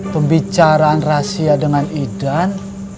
pembicaraan rahasia dengan idan